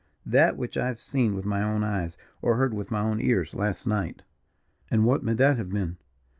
"That which I have seen with my own eyes, or heard with my own ears, last night." "And what may that have been?"